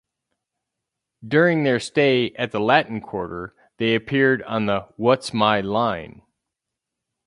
During their stay at the Latin Quarter, they appeared on the What's My Line?